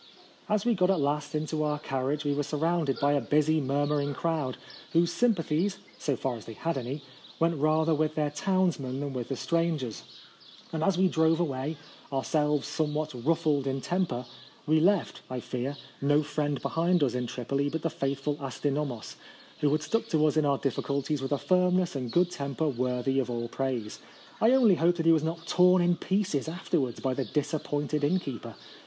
As we got at last into our car riage we were surrounded by a busy murmuring crowd, whose sympa thies, so far as they had any, went rather with their townsman than with the strangers; and as we drove away, ourselves somewhat ruffled in temper, we left, I fear, no friend behind us in Tripoli but the faith ful asti/nomos, who had stuck to us in our difficulties with a firmness and good temper worthy of all praise. I only hope that he was not torn in pieces afterwards by the disappoint ed innkeeper.